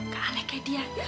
keanek kayak dia ya